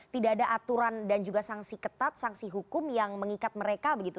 tidak ada aturan dan juga sanksi ketat sanksi hukum yang mengikat mereka begitu